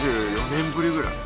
３４年ぶりぐらい。